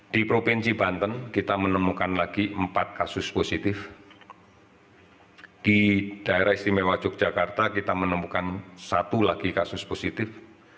di provinsi banten kita menemukan lagi empat kasus positif di daerah istimewa yogyakarta kita menemukan satu lagi kasus positif